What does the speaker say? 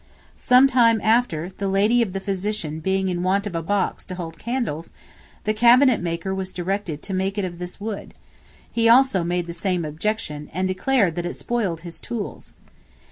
Some time after, the lady of the physician being in want of a box to hold candles, the cabinet maker was directed to make it of this wood; he also made the same objection, and declared that it spoiled his tools.